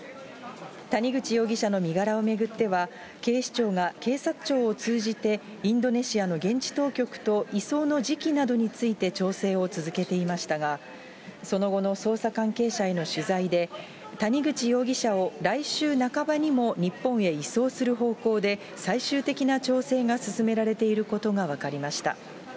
谷口容疑者の身柄を巡っては、警視庁が警察庁を通じて、インドネシアの現地当局と移送の時期などについて調整を続けていましたが、その後の捜査関係者への取材で、谷口容疑者を来週半ばにも日本へ移送する方向で、最終的な調整が進められていることが分かりました。